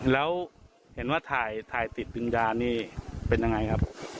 แล้วเห็นว่าถ่ายติดวิญญาณนี่เป็นยังไงครับ